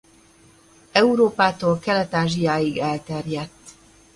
Európától Kelet-Ázsiáig elterjedt.